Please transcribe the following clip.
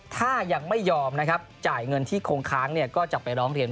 ถ้ายังไม่ยอมจ่ายเงินที่คงค้างก็จับไปร้องเทรนด์